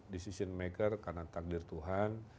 pembuat keputusan karena takdir tuhan